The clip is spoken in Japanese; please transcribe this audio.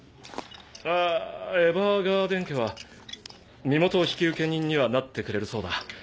あぁエヴァーガーデン家は身元引受人にはなってくれるそうだ。